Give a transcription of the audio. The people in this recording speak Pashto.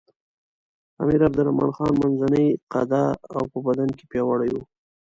امیر عبدالرحمن خان منځنی قده او په بدن کې پیاوړی وو.